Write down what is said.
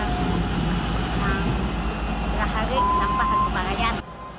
setiap hari sampah harus bagaimana